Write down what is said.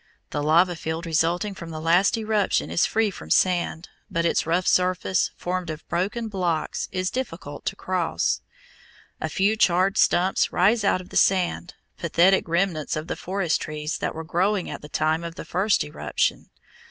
The lava field resulting from the last eruption is free from sand, but its rough surface, formed of broken blocks, is difficult to cross. A few charred stumps rise out of the sand, pathetic remnants of the forest trees that were growing at the time of the first eruption.